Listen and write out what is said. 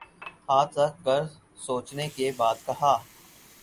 ہاتھ رکھ کر سوچنے کے بعد کہا۔